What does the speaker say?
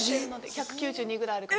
１９２ぐらいある。